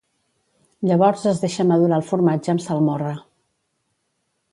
Llavors es deixa madurar el formatge amb salmorra.